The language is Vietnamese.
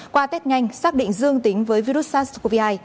qua test nhanh xác định dương tính với virus sars cov hai